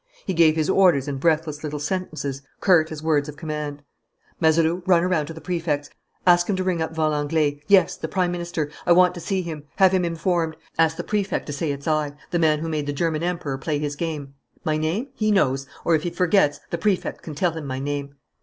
He gave his orders in breathless little sentences, curt as words of command. "Mazeroux, run around to the Prefect's. Ask him to ring up Valenglay: yes, the Prime Minister. I want to see him. Have him informed. Ask the Prefect to say it's I: the man who made the German Emperor play his game. My name? He knows. Or, if he forgets, the Prefect can tell him my name."